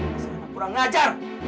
mas rana kurang ngajar